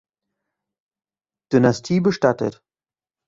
Dynastie bestattet.